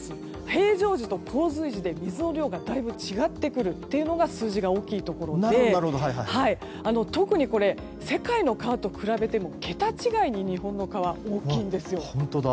平常時と洪水時で水の量がだいぶ違っているのが数字が大きいところで特に世界の川と比べても桁違いに日本の川は大きいんですよ。